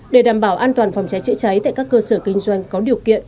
để đảm bảo an toàn phòng cháy chữa cháy tại các cơ sở kinh doanh có điều kiện